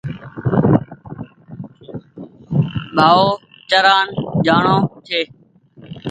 ڀآو چڙآن جآڻو ڇي